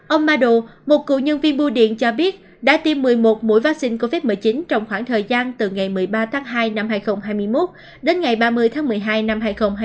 ông madu một cựu nhân viên bưu điện cho biết đã tiêm một mươi một mũi vaccine covid một mươi chín trong khoảng thời gian từ ngày một mươi ba tháng hai năm hai nghìn hai mươi một đến ngày ba mươi tháng một mươi hai năm hai nghìn hai mươi